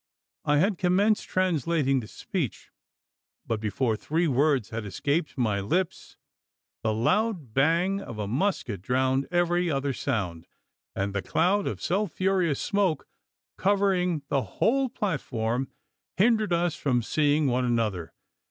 I had commenced translating the speech; but, before three words had escaped my lips, the loud bang of a musket drowned every other sound; and the cloud of sulphureous smoke covering the whole platform, hindered us from seeing one another!